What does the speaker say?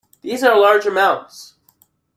These are large amounts.